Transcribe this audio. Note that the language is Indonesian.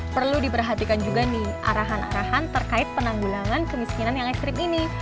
perlu diperhatikan juga nih arahan arahan terkait penanggulangan kemiskinan yang ekstrim ini